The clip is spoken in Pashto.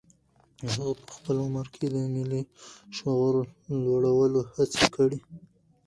هغه په خپل عمر کې د ملي شعور لوړولو هڅې کړي.